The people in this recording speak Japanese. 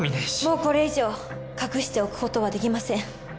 もうこれ以上隠しておく事は出来ません。